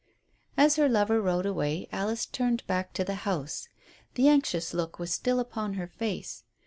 As her lover rode away Alice turned back to the house. The anxious look was still upon her face.